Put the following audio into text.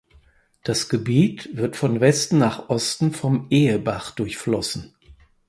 Das Gebiet wird von Westen nach Osten vom Ehebach durchflossen.